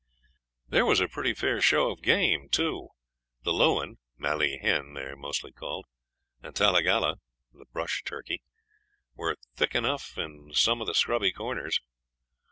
There was a pretty fair show of game too. The lowan (Mallee hen, they're mostly called) and talegalla (brush turkey) were thick enough in some of the scrubby corners.